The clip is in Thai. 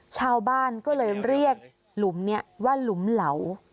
ชาวบ้านก็เลยเรียกหลุมนี้ว่าหลุมเหลา